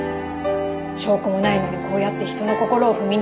証拠もないのにこうやって人の心を踏みにじる。